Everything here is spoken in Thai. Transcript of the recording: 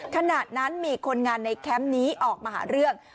ขณะนั้นมีคนงานในแคมป์นี้ออกมาหาเรื่อง